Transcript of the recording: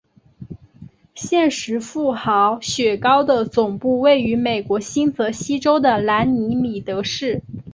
现时富豪雪糕的总部位于美国新泽西州的兰尼米德市。